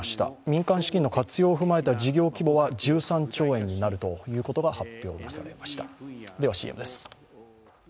民間資金の活用を踏まえた事業規模は１３兆円になるということが発